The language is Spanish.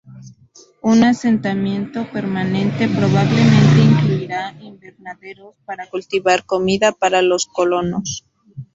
Un asentamiento permanente probablemente incluirá invernaderos para cultivar comida para los colonos.